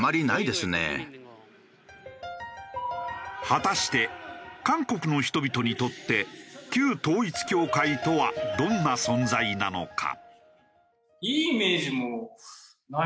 果たして韓国の人々にとって旧統一教会とはどんな存在なのか？